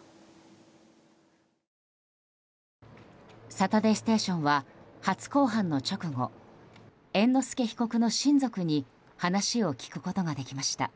「サタデーステーション」は初公判の直後猿之助被告の親族に話を聞くことができました。